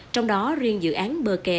trong đó riêng dự án bờ kè